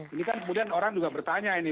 ini kan kemudian orang juga bertanya ini